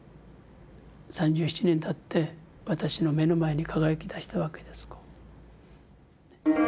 ３７年たって私の目の前に輝きだしたわけです。